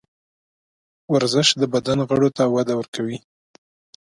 ورزش د بدن غړو ته وده ورکوي.